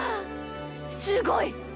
すごいっ。